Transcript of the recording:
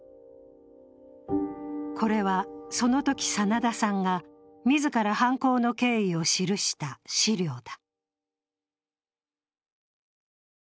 これはそのとき、真田さんが自ら犯行の経緯を記した資料だ。